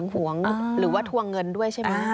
หวงหรือว่าทวงเงินด้วยใช่ไหม